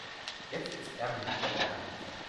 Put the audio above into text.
Jetzt ist Ärmel hochkrempeln angesagt.